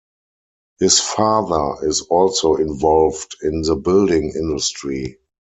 His father is also involved in the building industry.